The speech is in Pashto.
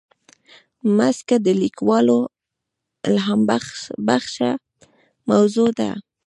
مځکه د لیکوالو الهامبخښه موضوع ده.